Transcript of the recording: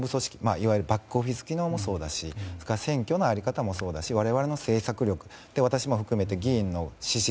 いわゆるバックオフィス機能もそうだし選挙の在り方もそうだし我々の政策力私も含めて議員の資質。